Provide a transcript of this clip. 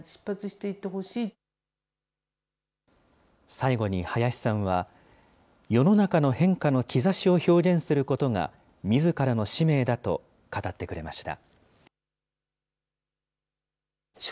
最後に林さんは、世の中の変化の兆しを表現することが、みずからの使命だと語ってくれました。